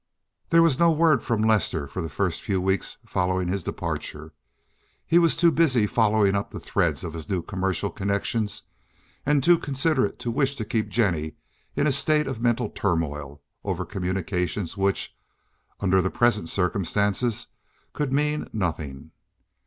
There was no word from Lester for the first few weeks following his departure; he was too busy following up the threads of his new commercial connections and too considerate to wish to keep Jennie in a state of mental turmoil over communications which, under the present circumstances, could mean nothing.